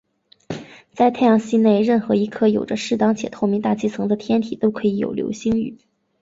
在太阳系内任何一颗有着适当且透明大气层的天体都可以有流星雨。